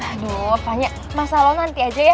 aduh apanya masalah lo nanti aja ya